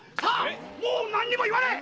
もう何も言わねえ！